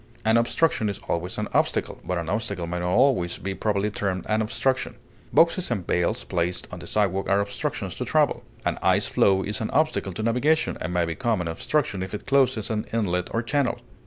An obstruction is always an obstacle, but an obstacle may not always be properly termed an obstruction; boxes and bales placed on the sidewalk are obstructions to travel; an ice floe is an obstacle to navigation, and may become an obstruction if it closes an inlet or channel.